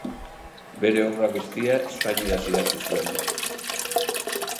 Bere obra guztia espainieraz idatzi zuen.